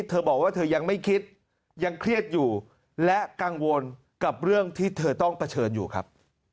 เธอบอกว่าเธอยังไม่คิดยังเครียดอยู่และกังวลกับเรื่องที่เธอต้องเผชิญอยู่ครับ